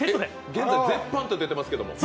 現在絶版と出てますけど。